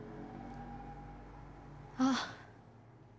あっ。